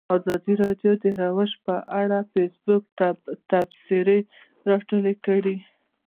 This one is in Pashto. ازادي راډیو د ورزش په اړه د فیسبوک تبصرې راټولې کړي.